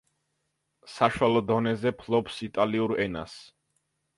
საშუალო დონეზე ფლობს იტალიურ ენას.